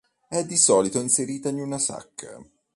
È di solito inserita in una sacca.